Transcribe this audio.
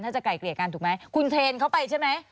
ถ้าจะไกลเกลี่ยกันถูกไหมคุณเทรนเขาไปใช่ไหม